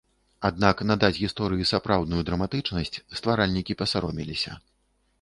Аднак надаць гісторыі сапраўдную драматычнасць стваральнікі пасаромеліся.